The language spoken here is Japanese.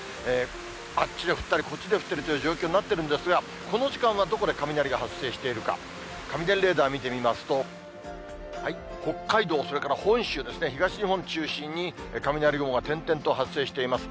あっちで降ったりこっちで降ってるという状況になってるんですが、この時間はどこで雷が発生しているか、雷レーダー見てみますと、北海道、それから本州ですね、東日本中心に、雷雲が点々と発生しています。